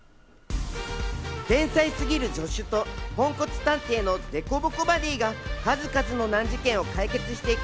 天才すぎる助手とポンコツ探偵の凸凹バディが数々の難事件を解決していく